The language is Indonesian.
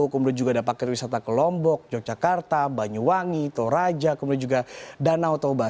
kemudian juga ada paket wisata ke lombok yogyakarta banyuwangi toraja kemudian juga danau toba